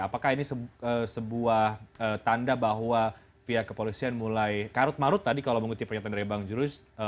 apakah ini sebuah tanda bahwa pihak kepolisian mulai karut marut tadi kalau mengutip pernyataan dari bang julius